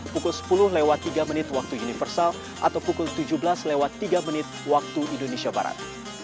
pukul sepuluh tiga waktu universal atau pukul tujuh belas tiga waktu indonesia barat